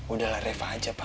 udah lah reva aja pak